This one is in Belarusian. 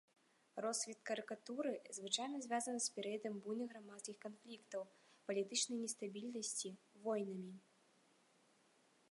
Росквіт карыкатуры звычайна звязаны з перыядам буйных грамадскіх канфліктаў, палітычнай нестабільнасці, войнамі.